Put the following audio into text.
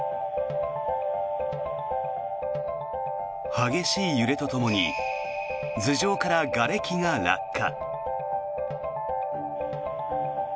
激しい揺れとともに頭上からがれきが落下。